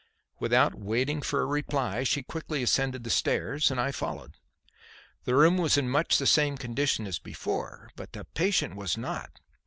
Without waiting for a reply she quickly ascended the stairs and I followed. The room was in much the same condition as before. But the patient was not.